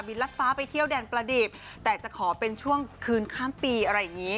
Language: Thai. ลัดฟ้าไปเที่ยวแดนประดิบแต่จะขอเป็นช่วงคืนข้ามปีอะไรอย่างนี้